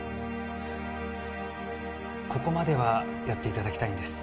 ここまではやっていただきたいんです